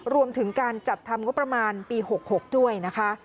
รวมถึงการจัดทำงบประมาณปี๖๖ด้วยนะคะ